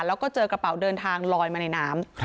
แล้วก็เจอกระเป๋าเดินทางลอยมาในน้ำ